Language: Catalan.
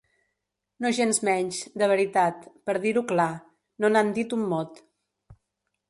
Nogensmenys, de veritat, per dir-ho clar, no n'han dit un mot.